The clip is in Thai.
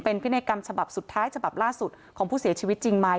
เป็นพินัยกรรมฉบับสุดท้ายฉบับล่าสุดของผู้เสียชีวิตจริงไหม